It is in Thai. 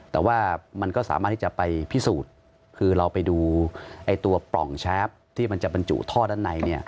แต่ว่ามันก็สามารถที่จะไปพิสูจน์คือเราไปดูตัวปล่องแชฟที่มันจะบรรจุท่อด้านใน